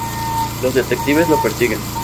Los detectives lo persiguen.